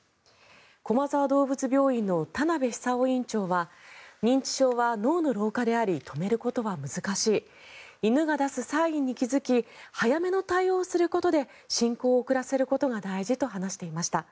駒沢どうぶつ病院の田部久雄院長は認知症は脳の老化であり止めることは難しい犬が出すサインに気付き早めの対応をすることで進行を遅らせることが大事と話していました。